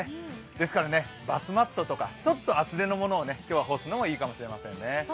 ですからバスマットとか、ちょっと厚手のものを干すのはいいかもしれませんね。